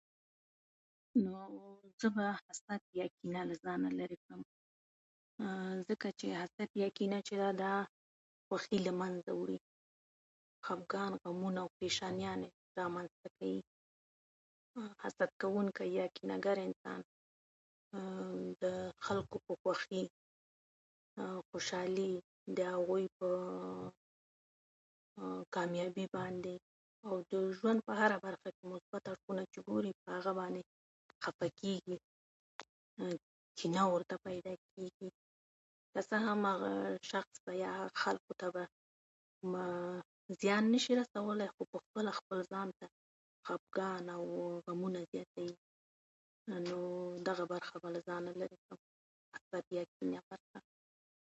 ۲. که انسان په خپل ژوند کې صبر او زحمت ولري، نو خامخا به يوه ورځ خپلو لوړو موخو ته ورسېږي او بريا به ترلاسه کړي